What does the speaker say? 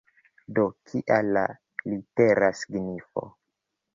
Do, kia la litera signifo?